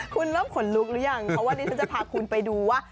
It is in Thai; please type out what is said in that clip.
คุณเริ่มขนลุกหรือยังเพราะว่าดิฉันจะพาคุณไปดูว่า